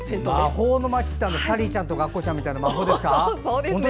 魔法の街ってサリーちゃんとかアッコちゃんみたいな魔法ですか。